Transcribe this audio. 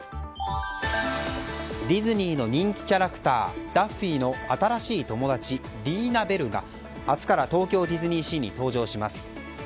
ディズニーの人気キャラクターダッフィーの新しい友達リーナ・ベルが明日から東京ディズニーシーに登場します。